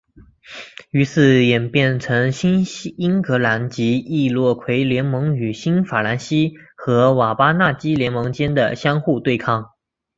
于是演变成新英格兰及易洛魁联盟与新法兰西和瓦巴纳基联盟间的相互对抗。